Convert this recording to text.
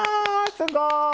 すごい！